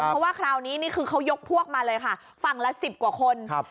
เพราะว่าคราวนี้นี่คือเขายกพวกมาเลยค่ะฝั่งละ๑๐กว่าคนครับ